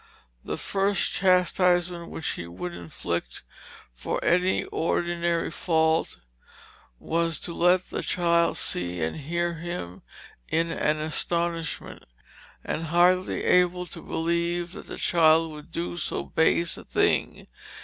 "The first chastisement which he would inflict for any ordinary fault, was to let the child see and hear him in an astonishment, and hardly able to believe that the child would do so base a thing.